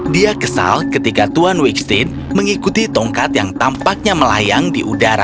dia kesal ketika tuan wickstain mengikuti tongkat yang tampaknya melayang di udara